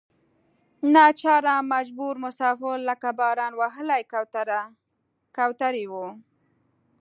ناچاره مجبور مسافر لکه باران وهلې کوترې وو.